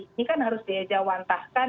ini kan harus diajawantahkan